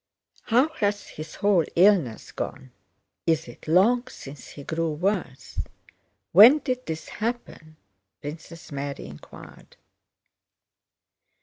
"How has his whole illness gone? Is it long since he grew worse? When did this happen?" Princess Mary inquired.